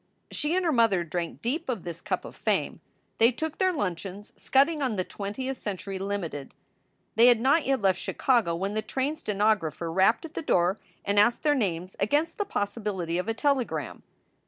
She and her mother drank deep of this cup of fame. They took their luncheons scudding on the Twentieth Century Limited. They had not yet left Chicago when the train stenographer rapped at the door and asked their names against the possibility of a telegram.